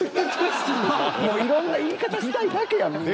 もういろんな言い方したいだけやみんな。